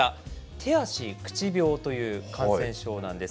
手足口病という感染症なんです。